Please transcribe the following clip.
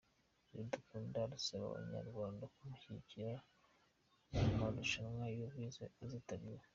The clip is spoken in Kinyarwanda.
Iradukunda arasaba Abanyarwanda kumushyigikira mu marushanwa yubwiza azitabira